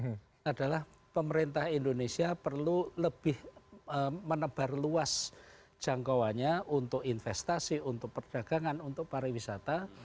ini adalah pemerintah indonesia perlu lebih menebar luas jangkauannya untuk investasi untuk perdagangan untuk pariwisata